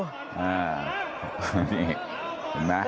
เห็นไหม